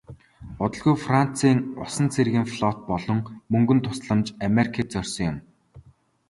Удалгүй францын усан цэргийн флот болон мөнгөн тусламж америкийг зорьсон юм.